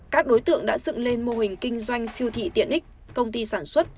các đối tượng đã dựng lên mô hình kinh doanh siêu thị tiện ích công ty sản xuất